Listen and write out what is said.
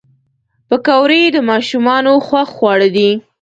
پکورې د ماشومانو خوښ خواړه دي